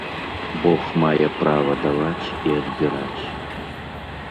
Бог мае права даваць і адбіраць.